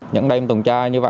những đêm tuần tra như vậy